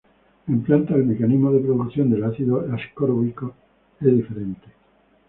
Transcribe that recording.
En plantas, el mecanismo de producción de ácido ascórbico es diferente.